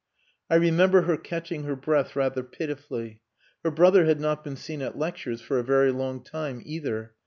I remember her catching her breath rather pitifully. Her brother had not been seen at lectures for a very long time either.